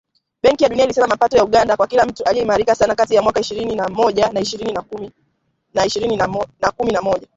Benki ya Dunia ilisema mapato ya Uganda kwa kila mtu yaliimarika sana kati ya mwaka ishirini na moja na ishirini na kumi na moja